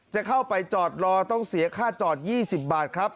จะเข้าไปจอดรอต้องเสียค่าจอด๒๐บาทครับ